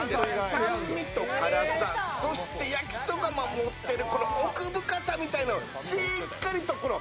酸味と辛さ、そして焼きそばが持ってるこの奥深さみたいなもの